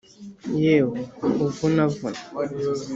yewe uvunavune